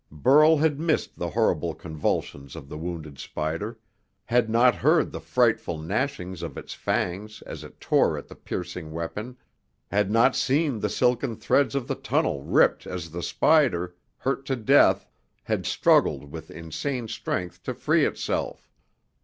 Burl had missed the horrible convulsions of the wounded spider, had not heard the frightful gnashings of its fangs as it tore at the piercing weapon, had not seen the silken threads of the tunnel ripped as the spider hurt to death had struggled with insane strength to free itself.